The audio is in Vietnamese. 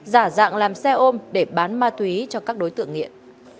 giả dạng làm xe ôm để bán ma túy cho các đối tượng nghiện